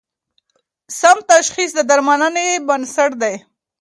سم تشخیص د درملنې بنسټ دی.